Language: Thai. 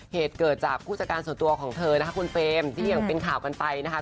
เหตุเกิดจากผู้จัดการส่วนตัวของเธอนะคะคุณเฟรมที่ยังเป็นข่าวกันไปนะคะ